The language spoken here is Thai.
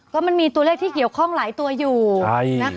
ก็มันมีตัวเลขที่เกี่ยวข้องหลายตัวอยู่นะคะ